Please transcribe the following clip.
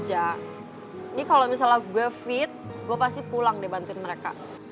jadi kalo misalnya gue fit gue pasti pulang deh bantuin mereka